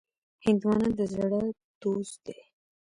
هندوانه د زړه دوست دی.